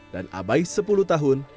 dan abai sepuluh tahun